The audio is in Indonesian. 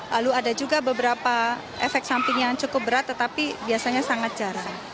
lalu ada juga beberapa efek samping yang cukup berat tetapi biasanya sangat jarang